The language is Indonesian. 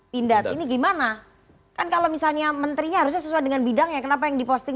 pindad ini gimana kan kalau misalnya menterinya harusnya sesuai dengan bidangnya kenapa yang diposting